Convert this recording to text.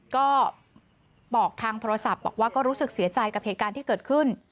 ก็บอกทางโทรศัพท์บอกว่าก็รู้สึกเสียใจกับเหตุการณ์ที่เกิดขึ้น